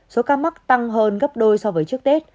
số ca mắc tăng hơn gấp đôi so với trước tết